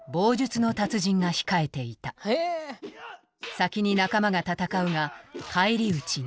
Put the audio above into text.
先に仲間が戦うが返り討ちに。